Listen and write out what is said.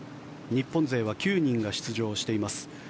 日本勢は９人が出場しています。